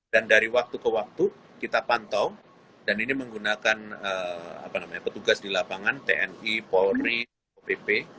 dan dari waktu ke waktu kita pantau dan ini menggunakan petugas di lapangan tni polri opp